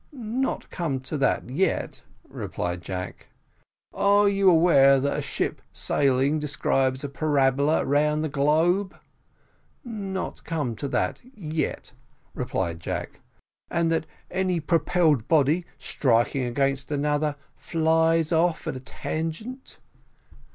"Not come to that yet," replied Jack. "Are you aware that a ship sailing describes a parabola round the globe?" "Not come to that yet," replied Jack. "And that any propelled body striking against another flies off at a tangent?"